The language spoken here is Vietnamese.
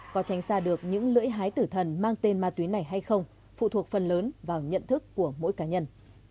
có tránh xa được những lưỡi hái tử thần mang tên ma túy này hay không phụ thuộc phần lớn vào nhận thức của mỗi cá nhân